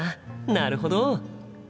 なるほど。